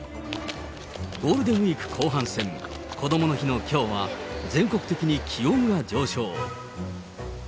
ゴールデンウィーク後半戦、こどもの日のきょうは、全国的に気温が上昇。